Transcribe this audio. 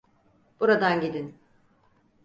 Buradan gidin.